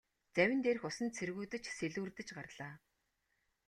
Завин дээрх усан цэргүүд ч сэлүүрдэж гарлаа.